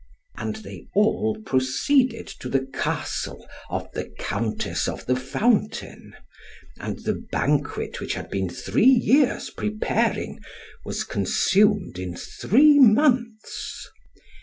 And they all proceeded to the Castle of the Countess of the Fountain, and the banquet which had been three years preparing was consumed in three months.